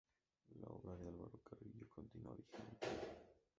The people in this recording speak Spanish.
La obra de Álvaro Carrillo continúa vigente.